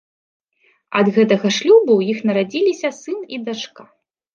Ад гэтага шлюбу ў іх нарадзіліся сын і дачка.